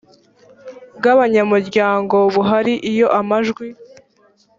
bw abanyamuryango buhari iyo amajwi